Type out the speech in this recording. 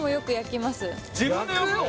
普段自分で焼くの！？